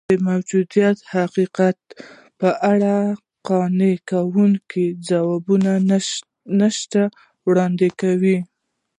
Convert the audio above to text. د موجودو حقایقو په اړه قانع کوونکي ځوابونه نه شي وړاندې کولی.